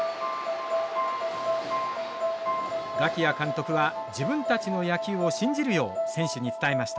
我喜屋監督は自分たちの野球を信じるよう選手に伝えました。